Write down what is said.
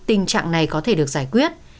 tình trạng này có thể được giải quyết